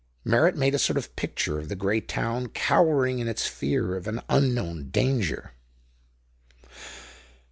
Merritt made a sort of picture of the great town cowering in its fear of an unknown danger.